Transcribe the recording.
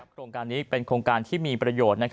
โครงการนี้เป็นโครงการที่มีประโยชน์